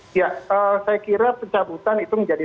ya saya kira pencabutan itu menjadi